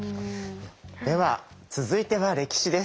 では続いては歴史です。